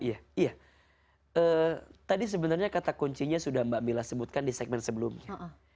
iya iya tadi sebenarnya kata kuncinya sudah mbak mila sebutkan di segmen sebelumnya